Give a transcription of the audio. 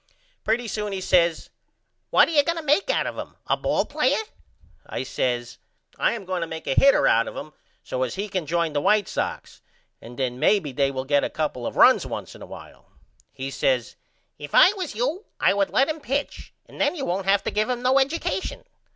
Pretty soon he says What are you going to make out of him, a ball player? I says Yes I am going to make a hitter out of him so as he can join the White Sox and then maybe they will get a couple of runs once in a while. He says If I was you I would let him pitch and then you won't have to give him no educasion.